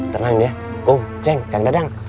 tenang ya kum ceng kang dadang